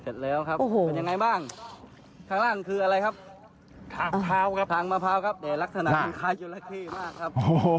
เสร็จแล้วครับโอ้โหเป็นยังไงบ้างข้างล่างคืออะไรครับทางเท้าครับถังมะพร้าวครับแต่ลักษณะคล้ายจราเข้มากครับ